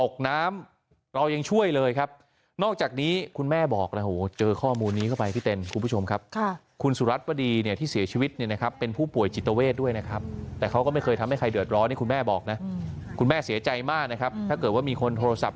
แจ้งเจ้าหน้าที่แจ้งกู้ภัยแจ้งตำรวจแต่แรกก็อาจจะไม่เสียชีวิตแบบนี้ครับ